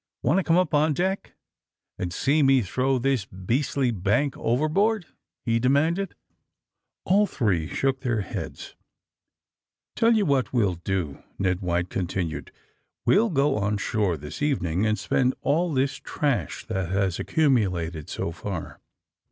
*^Want to come up on deck and see me throw this beastly bank overboard?" he demanded. AND THE SMTJGGLEKS 163 All three shook their heads. ^^Tell you what we'll do," Ned White con tinued. ^^We'll go on shore this evening and spend all this trash that has accumulated so far."